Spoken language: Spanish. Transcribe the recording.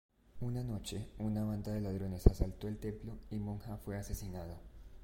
Una noche, una banda de ladrones asaltó el templo y Mun-Ha fue asesinado.